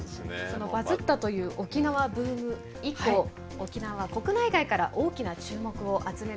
そのバズったという沖縄ブーム以降沖縄は国内外から大きな注目を集めるようになりました。